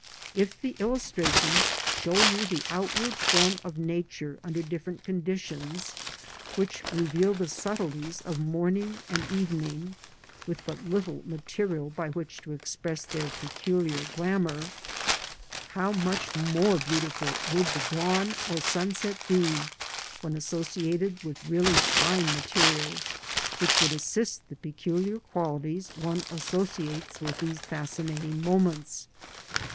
If the illustrations show you the outward form of Nature under different conditions which reveal the subtleties of morning and evening, with but little material by which to express their peculiar glamour, how much more beautiful would the dawn or sunset be when associated with really fine material, which would assist the peculiar qualities one associates with these fascinating moments.